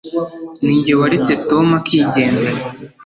ninjye waretse tom akigendera